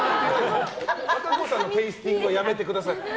和歌子さんのテイスティングはやめてください。